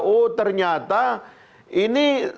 oh ternyata ini